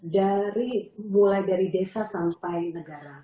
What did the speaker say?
dari mulai dari desa sampai negara